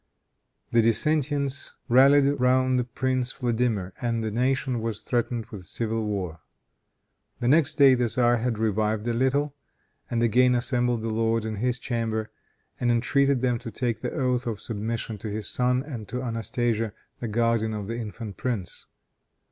The dissentients rallied round prince Vladimir, and the nation was threatened with civil war. The next day the tzar had revived a little, and again assembled the lords in his chamber and entreated them to take the oath of submission to his son and to Anastasia, the guardian of the infant prince.